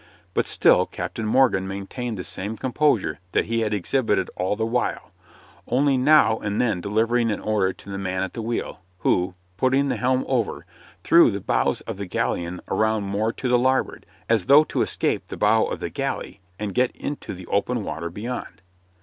But still Captain Morgan maintained the same composure that he had exhibited all the while, only now and then delivering an order to the man at the wheel, who, putting the helm over, threw the bows of the galleon around more to the larboard, as though to escape the bow of the galley and get into the open water beyond.